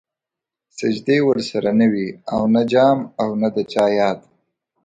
سجدې ورسره نه وې او نه جام او د چا ياد